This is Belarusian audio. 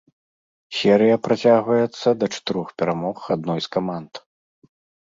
Серыя працягваецца да чатырох перамог адной з каманд.